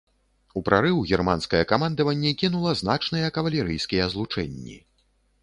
У прарыў германскае камандаванне кінула значныя кавалерыйскія злучэнні.